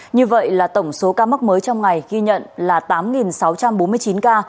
như vậy là tổng số ca mắc mới trong ngày ghi nhận là tám sáu trăm bốn mươi chín ca